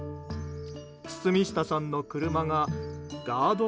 堤下さんの車がガード